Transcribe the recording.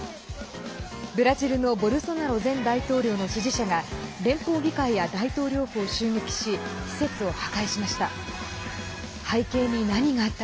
ブラジルのボルソナロ前大統領の支持者が連邦議会や大統領府を襲撃し施設を破壊しました。